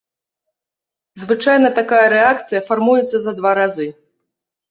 Звычайна такая рэакцыя фармуецца за два разы.